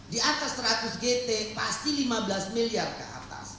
di atas seratus gt pasti lima belas miliar ke atas